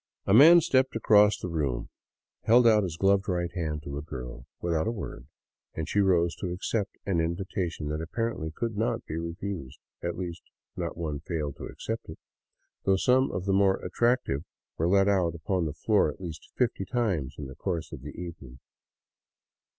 A man stepped across the room, held out his gloved right hand to a girl, without a word, and she rose to accept an invitation that apparently could not be refused — at least, not one failed to accept it, though some of the more attractive were led out upon the floor at least fifty times in the course of the even ing.